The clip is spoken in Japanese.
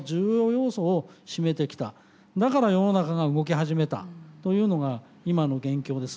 だから世の中が動き始めたというのが今の現況です。